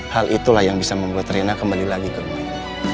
hal itulah yang bisa membuat rina kembali lagi ke rumahnya